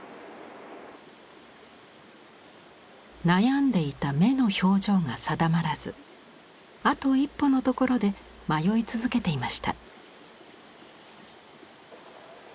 悩んでいた目の表情が定まらずあと一歩のところで迷い続けていました。